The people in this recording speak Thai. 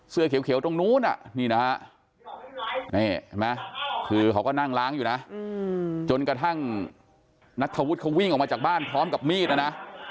เสื้อเขียวตรงนู้นนี่นะฮะนี่เห็นไหมคือเขาก็นั่งล้างอยู่นะจนกระทั่งนัทธวุฒิเขาวิ่งออกมาจากบ้านพร้อมกับมีดนะนะ